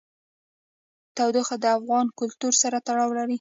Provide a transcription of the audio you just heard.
تودوخه د افغان کلتور سره تړاو لري.